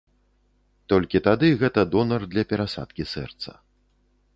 Толькі тады гэта донар для перасадкі сэрца.